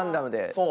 そう。